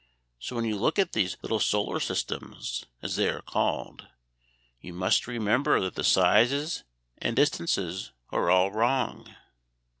So when you look at these little solar systems, as they are called, you must remember that the sizes and distances are all wrong.